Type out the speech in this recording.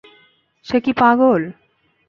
সে কি পাগল?